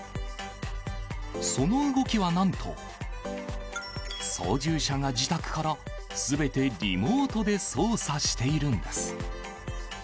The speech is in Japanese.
その動きは何と操縦者が自宅から全てリモートで操作しているんです。